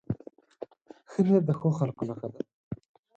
ښه نیت د ښو خلکو نښه ده.